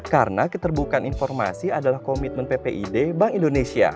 karena keterbukaan informasi adalah komitmen ppid bank indonesia